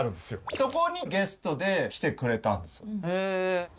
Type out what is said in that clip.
そこにゲストで来てくれたんです。